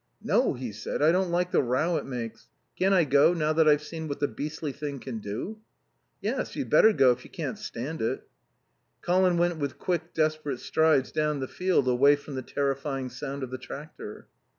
"No," he said, "I don't like the row it makes. Can't I go, now I've seen what the beastly thing can do?" "Yes. You'd better go if you can't stand it." Colin went with quick, desperate strides down the field away from the terrifying sound of the tractor.